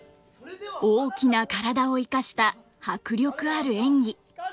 大きな体を生かした迫力ある演技。